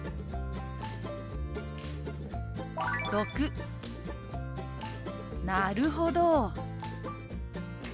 ⑥「なるほど！」。